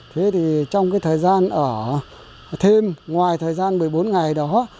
thế thì trong cái thời gian ở thêm ngoài thời gian một mươi bốn ngày đó